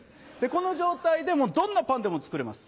この状態でどんなパンでも作れます。